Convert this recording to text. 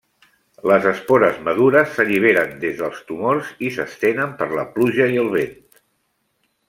Les espores madures s'alliberen des dels tumors i s'estenen per la pluja i el vent.